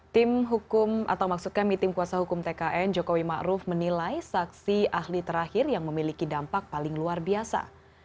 tim hukum atau maksud kami tim kuasa hukum tkn jokowi ⁇ maruf ⁇ menilai saksi ahli terakhir yang memiliki dampak paling luar biasa